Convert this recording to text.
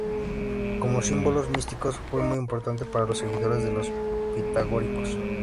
Como símbolo místico, fue muy importante para los seguidores de los pitagóricos.